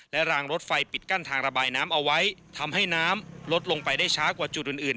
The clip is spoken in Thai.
รางรถไฟปิดกั้นทางระบายน้ำเอาไว้ทำให้น้ำลดลงไปได้ช้ากว่าจุดอื่นอื่น